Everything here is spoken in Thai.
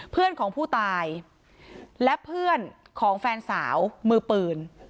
เพื่อนของผู้ตายและเพื่อนของแฟนสาวมือปืน